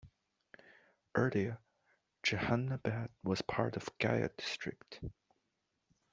Earlier, Jehanabad was part of Gaya district.